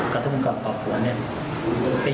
กับท่านคุณกราบสอบสวนเนี่ย